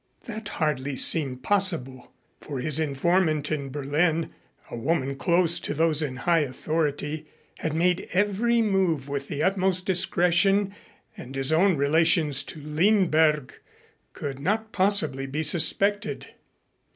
That hardly seemed possible; for his informant in Berlin, a woman close to those in high authority, had made every move with the utmost discretion and his own relations to Lindberg could not possibly be suspected.